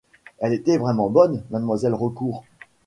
Elle était vraiment bonne, Mlle Raucourt.